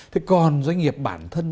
thế còn doanh nghiệp bản thân